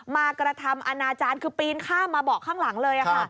มากระทำอนาจารย์คือปีนข้ามมาเบาะข้างหลังเลยค่ะ